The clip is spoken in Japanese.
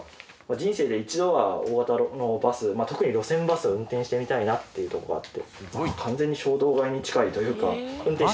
人生で一度は大型のバス特に路線バスを運転してみたいなっていうとこがあって完全に衝動買いに近いというか。